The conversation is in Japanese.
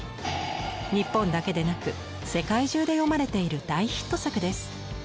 日本だけでなく世界中で読まれている大ヒット作です。